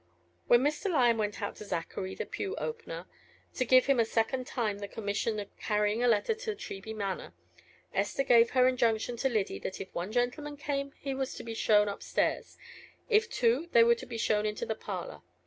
When Mr. Lyon went out to Zachary, the pew opener, to give him a second time the commission of carrying a letter to Treby Manor, Esther gave her injunction to Lyddy that if one gentleman came he was to be shown up stairs if two, they were to be shown into the parlor.